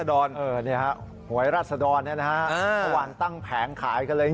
เออเนี่ยฮะหวยราชดรเนี่ยนะฮะอ่าวางตั้งแผงขายกันเลย